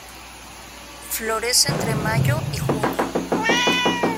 Florece entre mayo y junio.